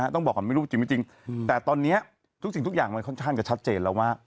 ทุกสิ่งทุกอย่างมันค่อนข้างจะชัดเจนแล้วว่า